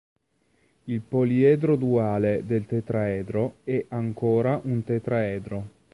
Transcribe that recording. Il poliedro duale del tetraedro è ancora un tetraedro.